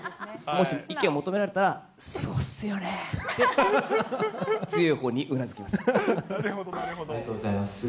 もし意見を求められたら、そうっすよねーっと強いほうにうなずきます。